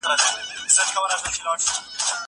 زه به اوږده موده نان خوړلی وم!